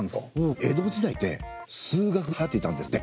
江戸時代って数学がはやっていたんですって。